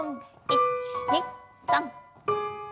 １２３。